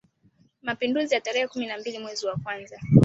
Mapinduzi ya tarehe kumi na mbili mwezi wa kwanza